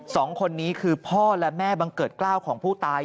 สองคนนี้คือพ่อและแม่บังเกิดกล้าวของผู้ตาย